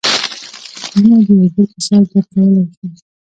زړونه د یو بل احساس درک کولی شي.